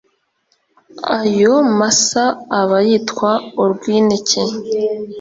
ayo masa aba yitwa urwinike